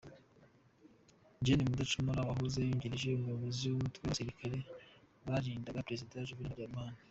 Gen. Mudacumura wahoze yungirije Umuyobozi w’Umutwe w’abasirikare barindaga Perezida Juvenal Habyarimana